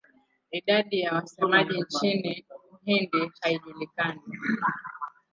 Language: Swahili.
Idadi ya wasemaji nchini Uhindi haijulikani.